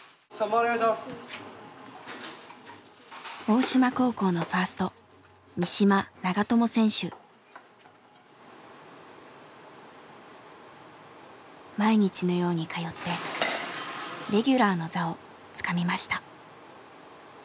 大島高校の毎日のように通ってレギュラーの座をつかみました。